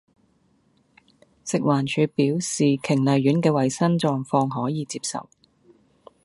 食環署表示瓊麗苑既衛生狀況可以接受